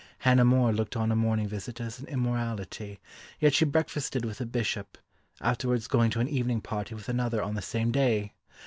Hannah More looked on a morning visit as an immorality, yet she breakfasted with a Bishop, afterwards going to an evening party with another on the same day!